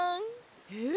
え？